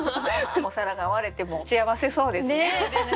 お皿が割れても幸せそうですね。